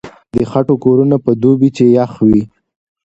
د خټو کورونه په دوبي کې يخ وي.